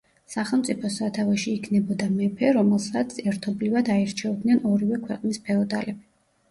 სახელმწიფოს სათავეში იქნებოდა მეფე, რომელსაც ერთობლივად აირჩევდნენ ორივე ქვეყნის ფეოდალები.